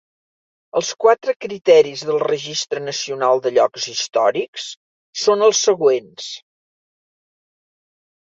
Els quatre criteris del Registre Nacional de Llocs Històrics són els següents.